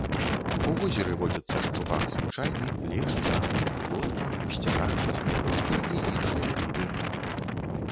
У возеры водзяцца шчупак звычайны, лешч, акунь, плотка, гусцяра, краснапёрка і іншыя віды рыб.